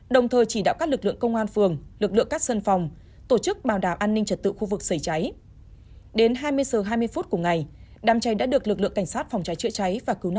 đồng thời chỉ đạo các lực lượng công an phường lực lượng các sân phòng tổ chức bảo đảm an ninh trật tự khu vực xảy cháy